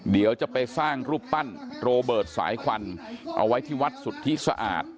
เดี๋ยวจะไปสร้างรูปปั้นโรเบิร์ตสายควันเอาไว้ที่วัดสุทธิสะอาด